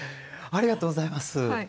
ありがとうございます。